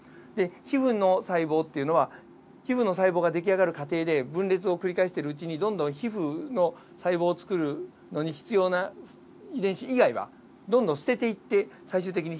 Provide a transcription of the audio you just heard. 皮膚の細胞っていうのは皮膚の細胞ができあがる過程で分裂を繰り返しているうちにどんどん皮膚の細胞を作るのに必要な遺伝子以外はどんどん捨てていって最終的に皮膚ができてる。